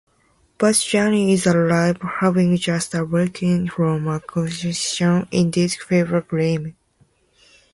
But Johnny is alive, having just awoken from a concussion-induced fever dream.